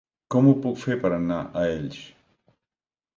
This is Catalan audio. Com ho puc fer per anar a Elx?